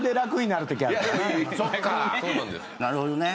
なるほどね。